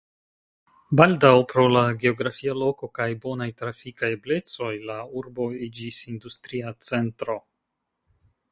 Baldaŭ pro la geografia loko kaj bonaj trafikaj eblecoj la urbo iĝis industria centro.